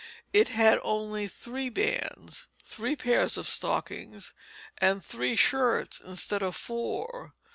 It had only three bands, three pairs stockings, and three shirts instead of four.